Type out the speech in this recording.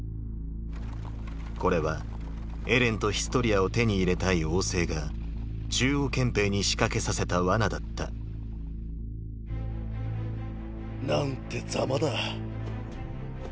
これはエレンとヒストリアを手に入れたい王政が中央憲兵に仕掛けさせた罠だった何ってザマだ。